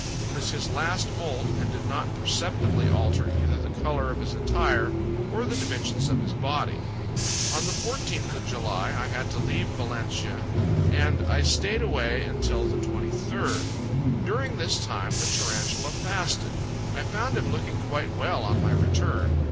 It was his last moult and did not perceptibly alter either the colour of his attire or the dimensions of his body. On the 14th of July, I had to leave Valencia; and I stayed away until the 23rd. During this time, the Tarantula fasted; I found him looking quite well on my return.